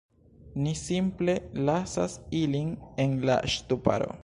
Ni simple lasas ilin en la ŝtuparo